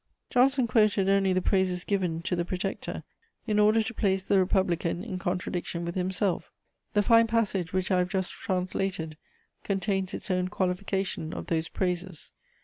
Johnson quoted only the praises given to the Protector, in order to place the Republican in contradiction with himself; the fine passage which I have just translated contains its own qualification of those praises.